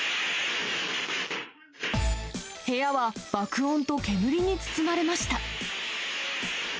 部屋は爆音と煙に包まれました。